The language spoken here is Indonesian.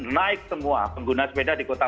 naik semua pengguna sepeda di kota